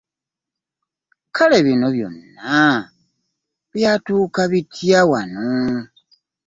Kale bino byonna byatuuka bitya wano?